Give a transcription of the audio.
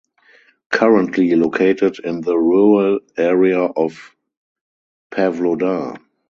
Currently located in the rural area of Pavlodar.